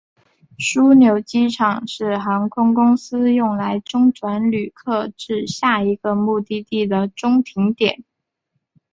枢纽机场是航空公司用来中转旅客至下一个目的地的中停点。